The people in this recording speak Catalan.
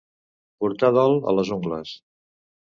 Portar dol a les ungles.